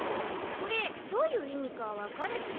これどういういみかわかるち？